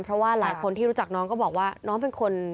เพราะว่าหลายคนที่รู้จักน้องก็บอกว่าน้องเป็นคน